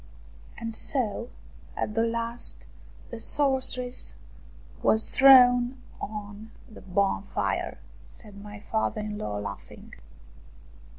" And so at the last the sorceress was thrown on the bonfire !" said my father in law, laughing.